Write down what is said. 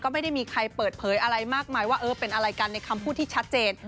ไม่ได้มีใครเปิดเผยอะไรมากมายว่าเออเป็นอะไรกันในคำพูดที่ชัดเจน